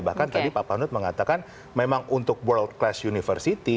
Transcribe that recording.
bahkan tadi pak panut mengatakan memang untuk world class university